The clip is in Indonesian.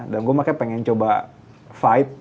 dan gue makanya pengen coba fight